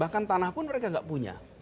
bahkan tanah pun mereka nggak punya